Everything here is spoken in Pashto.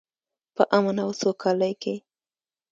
په امن او سوکالۍ کې.